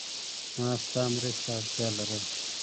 ما ستا مرستی ته اړتیا لرله.